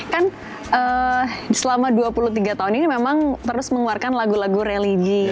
kan selama dua puluh tiga tahun ini memang terus mengeluarkan lagu lagu religi